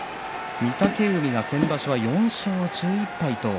御嶽海、先場所４勝１１敗